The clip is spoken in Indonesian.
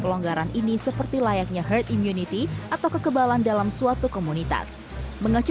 pelonggaran ini seperti layaknya herd immunity atau kekebalan dalam suatu komunitas mengacu